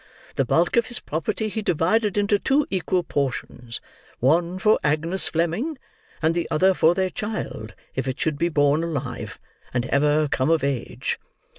The bulk of his property he divided into two equal portions—one for Agnes Fleming, and the other for their child, if it should be born alive, and ever come of age.